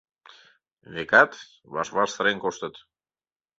Векат, ваш-ваш сырен коштыт.